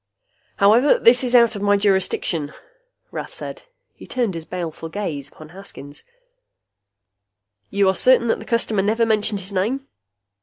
"However, that is out of my jurisdiction," Rath said. He turned his baleful gaze full upon Haskins. "You are certain that the customer never mentioned his name?"